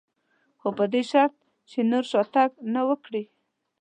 خو په دې شرط که یې نور شاتګ نه و کړی.